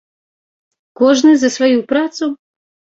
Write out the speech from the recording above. Кожны за сваю працу.